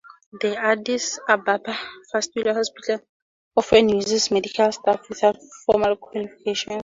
The Addis Ababa Fistula Hospital often uses medical staff without formal qualifications.